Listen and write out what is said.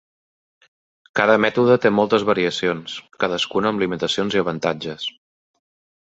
Cada mètode té moltes variacions, cadascuna amb limitacions i avantatges.